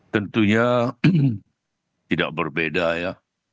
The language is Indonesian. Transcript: tentunya tidak berbeda ya